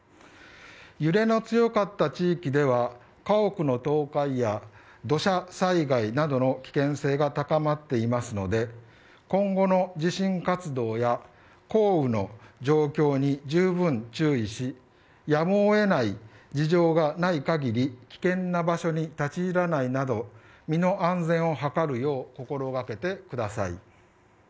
揺れの強かった地域では家屋の倒壊や土砂災害などの危険性が高まっていますので今後の地震活動や降雨の状況にじゅうぶん注意しやむを得ない事情がない限り危険な場所に立ち入らないなど身の安全を図るよう心掛けてください。